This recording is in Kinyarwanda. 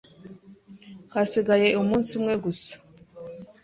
Hasigaye umunsi umwe gusa.